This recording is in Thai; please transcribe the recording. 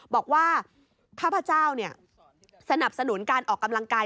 บอกว่าข้าพเจ้าสนับสนุนการออกกำลังกาย